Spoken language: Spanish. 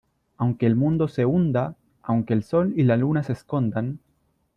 aunque el mundo se hunda , aunque el Sol y la Luna se escondan